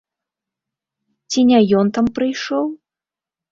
Ці не ён там прыйшоў?